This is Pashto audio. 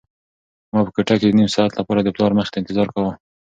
ما په کوټه کې د نيم ساعت لپاره د پلار مخې ته انتظار کاوه.